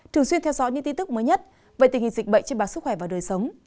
thường xuyên theo dõi những tin tức mới nhất về tình hình dịch bệnh trên bạc sức khỏe và đời sống